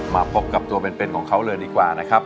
มาพบกับตัวเป็นของเขาเลยดีกว่านะครับ